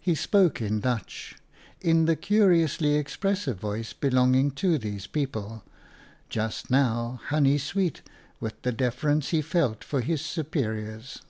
He spoke in Dutch, in the curiously ex pressive voice belonging to these people, just now honey sweet with the deference he felt for his superiors.